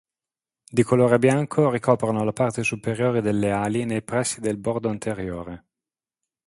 Di colore bianco, ricoprono la parte superiore delle ali nei pressi del bordo anteriore.